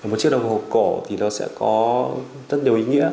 một chiếc đồng hồ cổ thì nó sẽ có rất nhiều ý nghĩa